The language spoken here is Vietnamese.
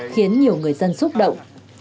khiến nhiều người dân xúc động